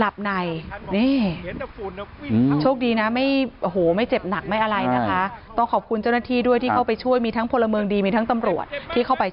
ไปเชียงใหม่มาถึงจุดเกิดเหตุตรงนี้